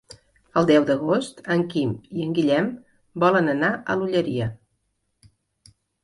El deu d'agost en Quim i en Guillem volen anar a l'Olleria.